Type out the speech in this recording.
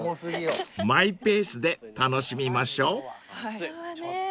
［マイペースで楽しみましょう］